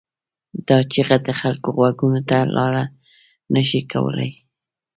دا چیغه د خلکو غوږونو ته لاره نه شي کولای.